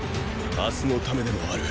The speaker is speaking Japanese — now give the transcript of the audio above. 明日のためでもある。